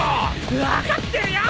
分かってるよ！